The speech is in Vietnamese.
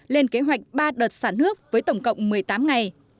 lên kế hoạch ba đợt xả nước với tổng cộng một mươi tám ngày